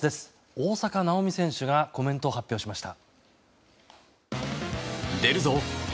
大坂なおみ選手がコメントを発表しました。